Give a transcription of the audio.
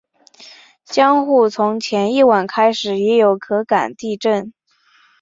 江户从前一晚开始也有可感地震。